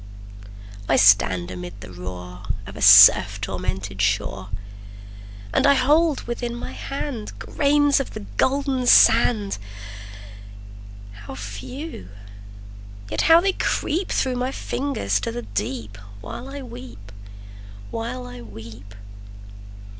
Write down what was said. I stand amid the roar Of a surf tormented shore, And I hold within my hand Grains of the golden sand How few! yet how they creep Through my fingers to the deep While I weep while I weep!